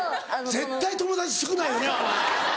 絶対友達少ないよねお前。